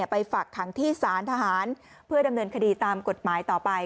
ไปฝากขังที่ศาลทหารเพื่อดำเนินคดีตามกฎหมายต่อไป